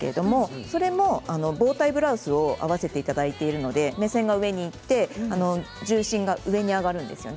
それもボウタイブラウスと合わせていただいているので目線が上にいって重心が上に上がるんですね。